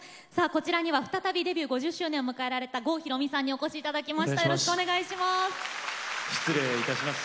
こちらには再びデビュー５０周年を迎えられた郷ひろみさんにお越しいただきました、よろしくお願いします。